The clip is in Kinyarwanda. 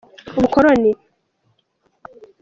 ubukoloni.